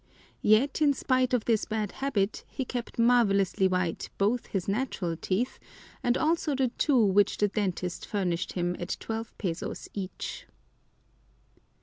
Yet in spite of this bad habit he kept marvelously white both his natural teeth and also the two which the dentist furnished him at twelve pesos each.